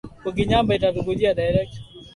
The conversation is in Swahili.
Wao ni wengi kuliko sisi